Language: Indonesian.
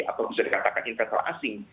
atau bisa dikatakan investor asing